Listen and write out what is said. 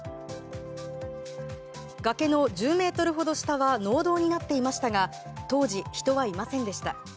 崖の１０ｍほど下は農道になっていましたが当時、人はいませんでした。